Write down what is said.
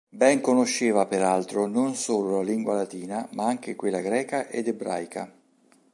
Ben conosceva, peraltro, non solo la lingua latina, ma anche quella greca ed ebraica.